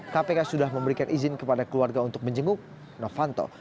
kpk sudah memberikan izin kepada keluarga untuk menjenguk novanto